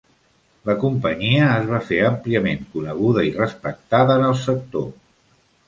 La companyia es va fer àmpliament coneguda i respectada en el sector.